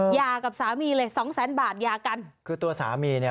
กับสามีเลยสองแสนบาทหย่ากันคือตัวสามีเนี่ย